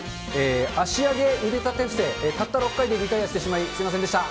足上げ腕立て伏せ、たった６回でリタイヤしてしまい、すみませんでした。